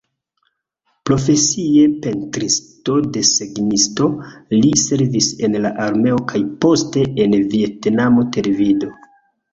Profesie pentristo-desegnisto, li servis en la armeo kaj poste en vjetnama televido.